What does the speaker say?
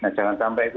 nah jangan sampai itu